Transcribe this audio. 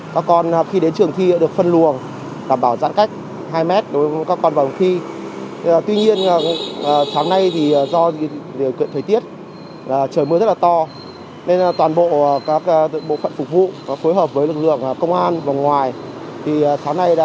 các con khi đến trường thi đã được phân luồng đảm bảo giãn cách hai mét đối với các con vào một thi